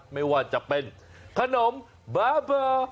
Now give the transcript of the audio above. ไม่ว่าจะเป็นขนมบ้าบอ